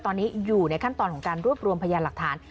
ตอนนี้อยู่ในขั้นตอนของการรวบรวมพยานหลักฐาน